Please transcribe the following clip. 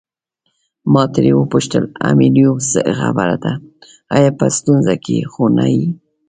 ما ترې وپوښتل امیلیو څه خبره ده آیا په ستونزه کې خو نه یې.